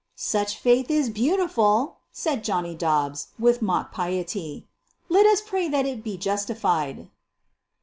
"Such faith is beautiful," said Johnny Dobbs. with mock piety, "let us pray that it be justified."